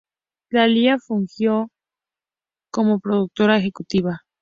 Thalía fungió como productora ejecutiva.